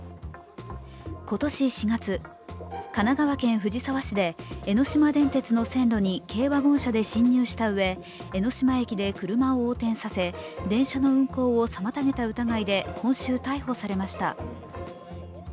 今年４月、神奈川県藤沢市で江ノ島電鉄の線路に軽ワゴン車で進入したうえ江ノ島駅で車を横転させ、電車の運行を妨げた疑いで今週逮捕されました。